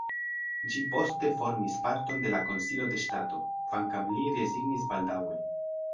Ĝi poste formis parton de la Konsilo de ŝtato, kvankam li rezignis baldaŭe.